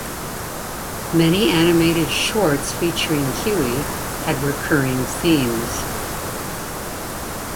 Many animated shorts featuring Huey had recurring themes.